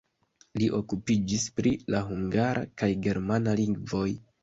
Li okupiĝis pri la hungara kaj germana lingvoj.